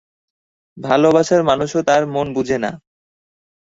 ভালোবাসার মানুষও তার মন বুঝে না।